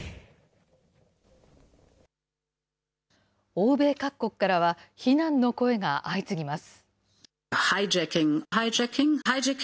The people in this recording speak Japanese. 欧米各国からは、非難の声が相次ぎます。